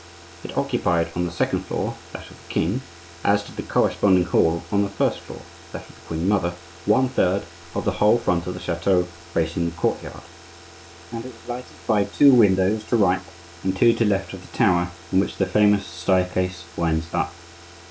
It occupied on the second floor (that of the king), as did the corresponding hall on the first floor (that of the queen mother), one third of the whole front of the chateau facing the courtyard; and it was lighted by two windows to right and two to left of the tower in which the famous staircase winds up.